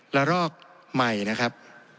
ละรอกใหม่นะครับ